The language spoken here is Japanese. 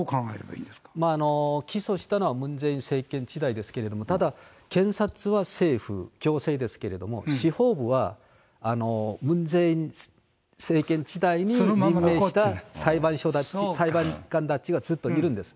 起訴したのはムン・ジェイン政権時代ですけれども、ただ検察は政府、行政ですけれども、司法部はムン・ジェイン政権時代に任命した裁判所、裁判官たちもずっといるんです。